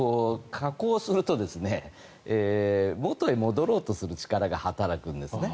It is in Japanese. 結局、下降すると元に戻ろうとする力が働くんですね。